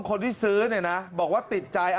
คนที่ซื้อเนี่ยนะบอกว่าติดใจ